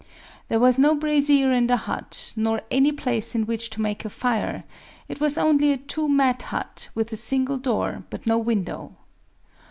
There was no brazier in the hut, nor any place in which to make a fire: it was only a two mat hut, with a single door, but no window.